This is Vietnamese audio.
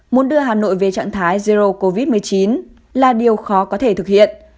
muốn đưa hà nội về trạng thái zero covid một mươi chín là điều khó có thể thực hiện